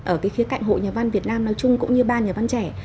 ở phía cạnh hội nhà văn việt nam nói chung cũng như ban nhà văn trẻ